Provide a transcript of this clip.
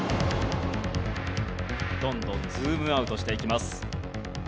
どんどんズームアウトしていきます。